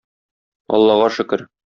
Аллага шөкер.